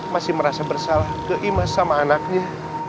masih merasa bersalah ke imah sama anaknya